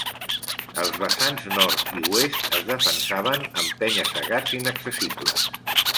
Els vessants nord i oest es defensaven amb penya-segats inaccessibles.